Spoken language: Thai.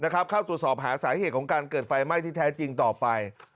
เข้าตรวจสอบหาสาเหตุของการเกิดไฟไหม้ที่แท้จริงต่อไป